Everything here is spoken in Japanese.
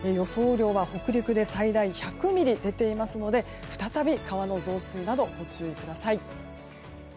雨量は北陸で最大１００ミリ出ていますので再び川の増水などご注意ください。